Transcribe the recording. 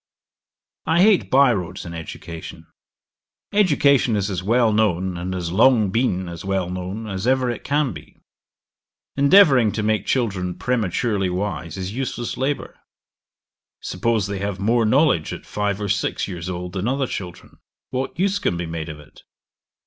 'I hate by roads in education. Education is as well known, and has long been as well known, as ever it can be. Endeavouring to make children prematurely wise is useless labour. Suppose they have more knowledge at five or six years old than other children, what use can be made of it?